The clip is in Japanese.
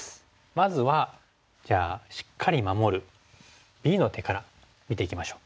まずはじゃあしっかり守るＢの手から見ていきましょう。